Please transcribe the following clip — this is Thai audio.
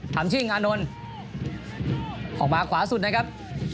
ทำชื่องานนท์ออกมาขวาสุดนะครับ